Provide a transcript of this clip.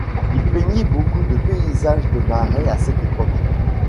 Il peignit beaucoup de paysages de marais à cette époque.